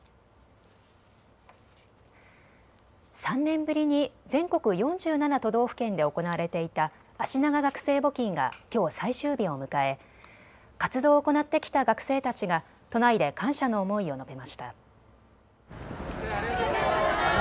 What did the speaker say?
３年ぶりに全国４７都道府県で行われていたあしなが学生募金がきょう最終日を迎え活動を行ってきた学生たちが都内で感謝の思いを述べました。